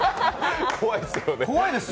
怖いですよ。